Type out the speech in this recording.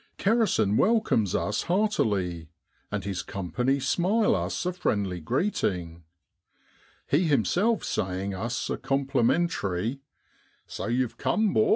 Kerrison welcomes us heartily, and his company smile us a friendly greeting, he himself saying us a complimentary <So you've come, 'bor!